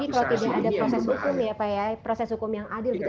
kalau tidak ada proses hukum ya pak ya proses hukum yang adil gitu